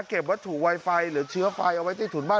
เก็บวัตถุไวไฟหรือเชื้อไฟเอาไว้ใต้ถุนบ้าน